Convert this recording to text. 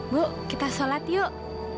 bu kita sholat yuk